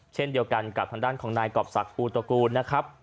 เช่นเดียวกันกับทางด้านของนายกรอบศักดิภูตระกูลนะครับ